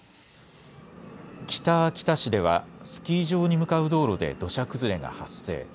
北秋田市では、スキー場に向かう道路で土砂崩れが発生。